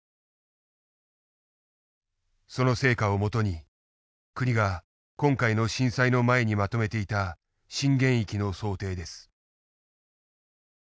その成果を基に国が今回の震災の前にまとめていた震源域の想定です。